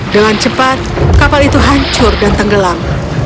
dengan cepat kapal itu hancur dan tenggelam